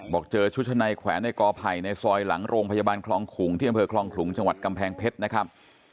บอกเจอชุดชะในแขวนในกอไผ่ในซอยหลังโรงพยาบาลคลองขลุงที่อำเภอคลองขลุงจังหวัดกำแพงเพชรนะครับ